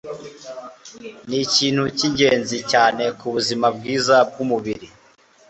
ni ikintu cy’ingenzi cyane ku buzima bwiza bw’umubiri